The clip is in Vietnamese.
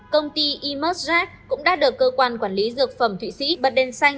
công ty immersed jack cũng đã được cơ quan quản lý dược phẩm thụy sĩ bật đèn xanh